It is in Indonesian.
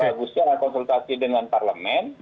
seharusnya ada konsultasi dengan parlemen